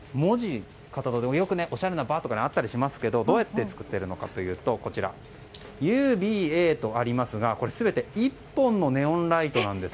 おしゃれなバーとかにあったりしますけどどうやって作っているのかというと「ＵＢＡ」とありますが全て１本のネオンライトなんです。